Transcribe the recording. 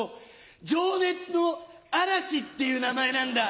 「情熱の嵐」っていう名前なんだ。